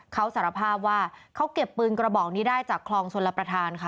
เขาสารภาพว่าเขาเก็บปืนกระบอกนี้ได้จากคลองชลประธานค่ะ